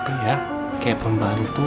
iya kayak pembantu